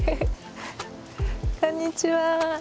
こんにちは。